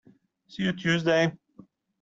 See you Tuesday!